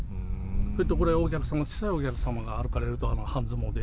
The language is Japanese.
それとこれ、お客様が歩かれると、半ズボンで。